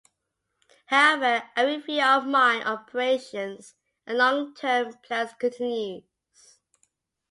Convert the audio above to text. However, a review of mine operations and long term plans continues.